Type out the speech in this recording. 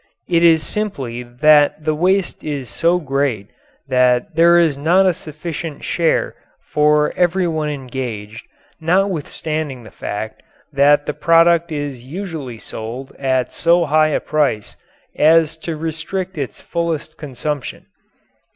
It is simply that the waste is so great that there is not a sufficient share for everyone engaged, notwithstanding the fact that the product is usually sold at so high a price as to restrict its fullest consumption.